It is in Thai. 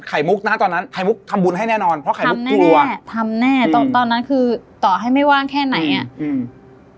มุกนะฮะตอนนั้นไข่มุกทำบุญให้แน่นอนเพราะไข่มุกกลัวแน่ทำแน่ตอนตอนนั้นคือต่อให้ไม่ว่างแค่ไหนอ่ะอืม